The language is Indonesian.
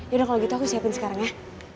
yaudah kalau gitu aku siapin sekarang ya